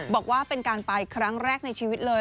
บอกว่าเป็นการไปครั้งแรกในชีวิตเลย